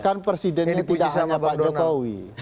kan presidennya tidak hanya pak jokowi